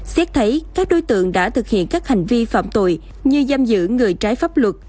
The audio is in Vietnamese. xét thấy các đối tượng đã thực hiện các hành vi phạm tội như giam giữ người trái pháp luật